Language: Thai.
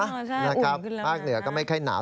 อ๋อใช่อุ่นขึ้นแล้วมากนะครับภาคเหนือก็ไม่ใช่หนาว